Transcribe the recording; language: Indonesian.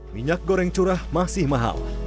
minyak goreng curah masih mahal